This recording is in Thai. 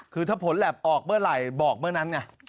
คือถ้าผลแล็บออกเมื่อไหร่บอกเมื่อนั้นไง